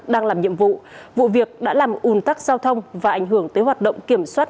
đang làm nhiệm vụ vụ việc đã làm ủn tắc giao thông và ảnh hưởng tới hoạt động kiểm soát